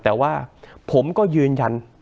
แต่ว่าผมก็ยืนยัน